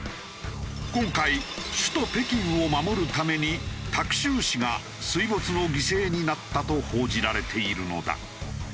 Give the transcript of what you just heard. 今回首都北京を守るためにタク州市が水没の犠牲になったと報じられているのだ。